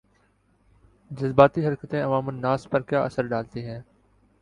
جذباتی حرکتیں عوام الناس پر کیا اثرڈالتی ہیں